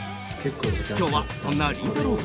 今日はそんなりんたろー。